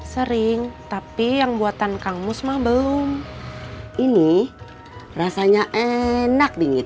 sering tapi yang buatan kang musma belum ini rasanya enak dingin